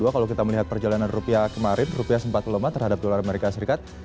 kalau kita melihat perjalanan rupiah kemarin rupiah sempat melemah terhadap dolar amerika serikat